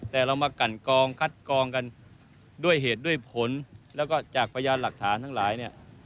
แต่เรามากันกองคัดกองกันด้วยเหตุด้วยผลแล้วก็จากพยานหลักฐานทั้งหลายเนี่ย